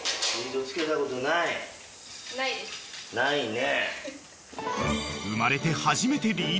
ないね。